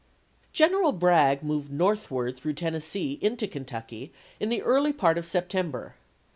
Greneral Bragg moved northward through Tennes 1862. see into Kentucky in the early part of September.